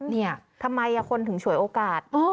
นี่ทำไมคนถึงฉวยโอกาส